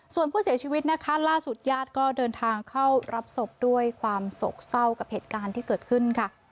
ส่วนผู้เสียชีวิตนะคะล่าสุดญาติก็เดินทางเข้ารับศพด้วยความโศกเศร้ากับเหตุการณ์ที่เกิดขึ้นค่ะ